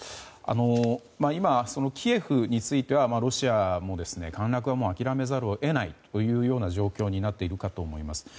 今、キエフについてはロシアも陥落は諦めざるを得ないというような状況になっているかと思います。